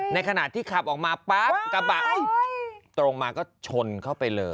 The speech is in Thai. ในขณะที่ขับออกมาปั๊บกระบะตรงมาก็ชนเข้าไปเลย